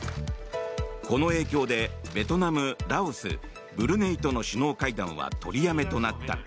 この影響でベトナム、ラオスブルネイとの首脳会談は取りやめとなった。